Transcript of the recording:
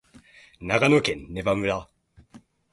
長野県根羽村